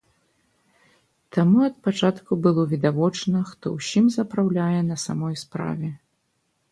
Таму ад пачатку было відавочна, хто ўсім запраўляе на самай справе.